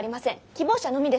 希望者のみです。